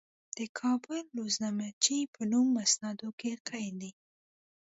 د کابل روزنامچې په نوم اسنادو کې قید دي.